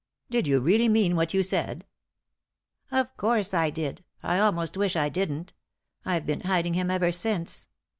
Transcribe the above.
Did you really mean what you said ?"" Of course I did ; I almost wish I didn't ; I've been hiding him ever since.